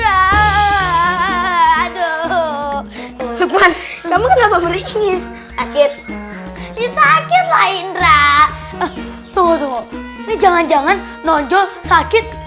aduh aduh aduh kamu kenapa meringis akhirnya ini sakit lah indra ini jangan jangan nonjol sakit